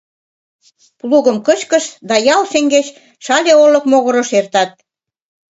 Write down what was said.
Плугым кычкышт да ял шеҥгеч Шале олык могырыш эртат.